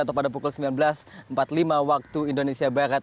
atau pada pukul sembilan belas empat puluh lima waktu indonesia barat